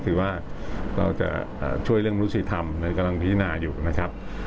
คือว่าเราจะช่วยเรื่องมนุษยธรรมกำลังพิจารณาอยู่นะครับ